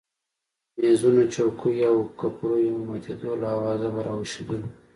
د مېزونو چوکیو او کپړیو د ماتېدو له آوازه به راویښېدلو.